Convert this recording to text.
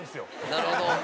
なるほど。